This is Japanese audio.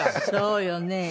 そうよね。